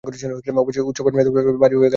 অবশেষে উৎসবের মেয়াদ ফুরোল, বাড়ি হয়ে গেল খালি।